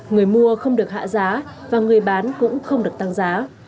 người mua không được hạ giá và người bán cũng không được tăng giá